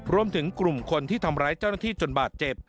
รวมถึงกลุ่มคนที่ทำร้ายเจ้าหน้าที่จนบาดเจ็บ